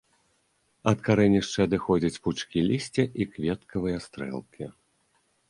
Ад карэнішча адыходзяць пучкі лісця і кветкавыя стрэлкі.